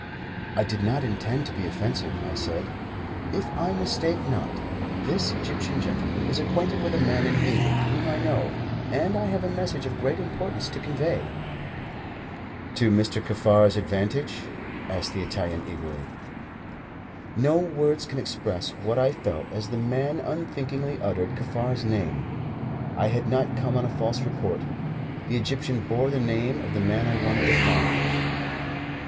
"I did not intend to be offensive," I said. "If I mistake not, this Egyptian gentleman is acquainted with a man in England whom I know, and I have a message of great importance to convey." "To Mr. Kaffar's advantage?" asked the Italian, eagerly. No words can express what I felt as the man unthinkingly uttered Kaffar's name. I had not come on a false report. The Egyptian bore the name of the man I wanted to find.